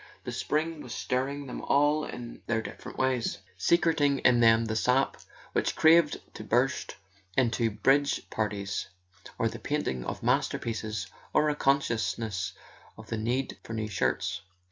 The spring was stirring them all in their different ways, secreting in them the sap which craved to burst into bridge parties, or the painting of masterpieces, or a consciousness of the need for new shirts.